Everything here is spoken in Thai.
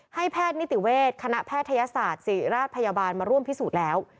แพทย์นิติเวชคณะแพทยศาสตร์ศิริราชพยาบาลมาร่วมพิสูจน์แล้ว